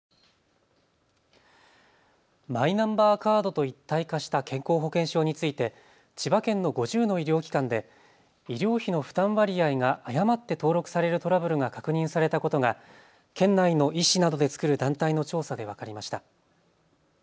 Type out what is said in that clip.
マイナンバーカードと一体化した健康保険証について千葉県の５０の医療機関で医療費の負担割合が誤って登録されるトラブルが確認されたことが県内の医師などで作る団体の調査で分かりました。